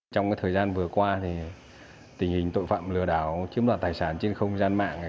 trong thời gian vừa qua tình hình tội phạm lừa đảo chiếm đoạt tài sản trên không gian mạng